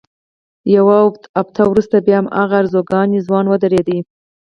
یوه اونۍ وروسته بیا هماغه ارزګانی ځوان ودرېد.